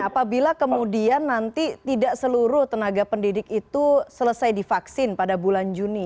apabila kemudian nanti tidak seluruh tenaga pendidik itu selesai divaksin pada bulan juni